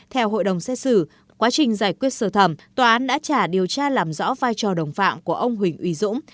theo hội đồng xét xử quá trình giải quyết sơ thẩm tòa án đã trả điều tra làm rõ vai trò đồng phạm của ông huỳnh uy dũng